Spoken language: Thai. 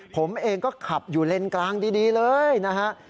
ผมเองก็ขับอยู่เลนกลางดีเลยนะฮะ